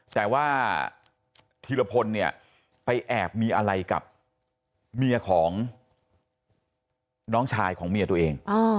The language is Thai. แต่ว่าธีรพลเนี่ยไปแอบมีอะไรกับเมียของน้องชายของเมียตัวเอง